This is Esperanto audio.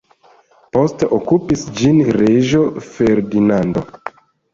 Poste okupis ĝin reĝo Ferdinando.